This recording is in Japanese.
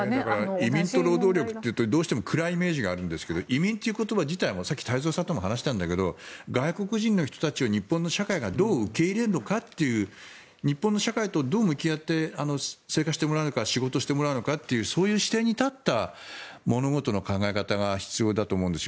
移民と労働力っていうとどうしても暗いイメージがあるんですが移民っていう言葉自体もさっき太蔵さんとも話したんだけど外国人の人たちを日本の社会がどう受け入れるのかという日本の社会とどう向き合って生活してもらうのか仕事をしてもらうのかというそういう視点に立った物事の考え方が必要だと思うんですよ。